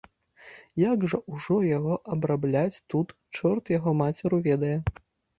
Як жа ўжо яго абрабляць тут, чорт яго мацеру ведае.